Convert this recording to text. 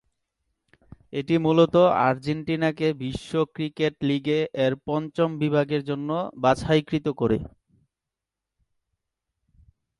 এটি মূলত আর্জেন্টিনাকে বিশ্ব ক্রিকেট লীগ এর পঞ্চম বিভাগের জন্য বাছাইকৃত করে।